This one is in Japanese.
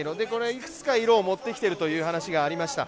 いくつか色を持ってきているという話がありました。